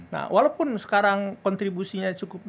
nah walaupun sekarang kontribusinya juga itu ya kan ya